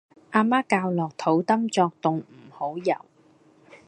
阿媽教落肚 Dum 作動唔好游